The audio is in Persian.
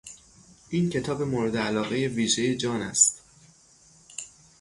این کتاب مورد علاقهی ویژهی جان است.